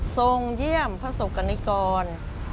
ทรงเยี่ยมพระศกกรณิกร